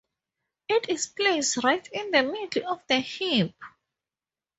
It is placed right in the middle of the heap.